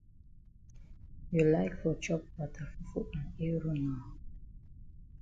You like for chop wata fufu and eru nor?